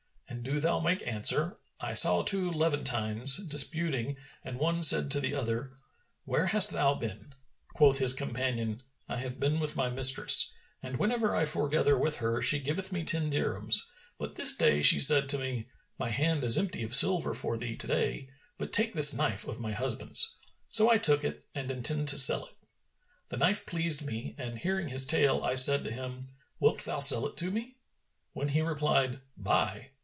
and do thou make answer, 'I saw two Levantines[FN#424] disputing and one said to the other, 'Where hast thou been?' Quoth his companion, 'I have been with my mistress, and whenever I foregather with her, she giveth me ten dirhams; but this day she said to me, 'My hand is empty of silver for thee to day, but take this knife of my husband's.' So I took it and intend to sell it.' The knife pleased me and hearing his tale I said to him, 'Wilt thou sell it to me?' when he replied, 'Buy.'